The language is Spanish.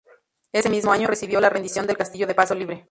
Ese mismo año recibió la rendición del castillo de paso libre.